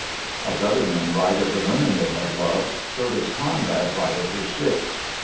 As other men write of the woman they have loved, so does Conrad write of his ships.